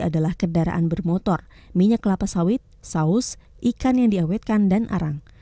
adalah kendaraan bermotor minyak kelapa sawit saus ikan yang diawetkan dan arang